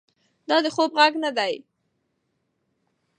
دا د خوب غږ نه دی.